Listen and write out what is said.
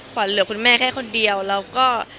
ขวัญเหลือคุณแม่แค่คนเดียวแล้วก็